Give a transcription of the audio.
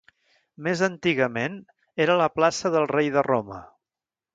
Més antigament, era la plaça del Rei de Roma.